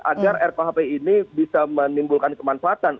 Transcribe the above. agar rkuhp ini bisa menimbulkan kemanfaatan